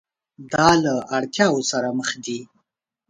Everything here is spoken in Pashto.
دا له اړتیاوو سره مخ دي.